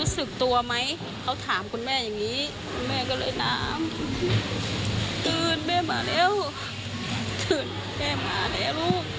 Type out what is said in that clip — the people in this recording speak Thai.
ตื่นแม่มาแล้วลูก